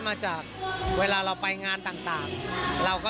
การเดินทางปลอดภัยทุกครั้งในฝั่งสิทธิ์ที่หนูนะคะ